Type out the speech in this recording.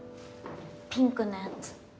ピンクのやつ。